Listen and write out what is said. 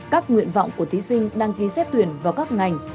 các nguyện vọng của thí sinh đăng ký xét tuyển vào các ngành